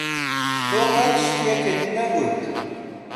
تۆ قەت شتێکت نەگوت.